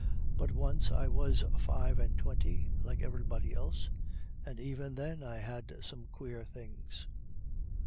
But once I was five and twenty, like everybody else, and even then I had seen some queer things.